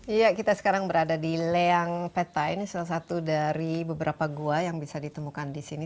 iya kita sekarang berada di leang peta ini salah satu dari beberapa gua yang bisa ditemukan di sini